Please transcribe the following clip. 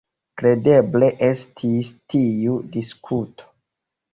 Kredeble estis tiu diskuto.